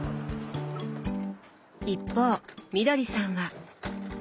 一方みどりさんは。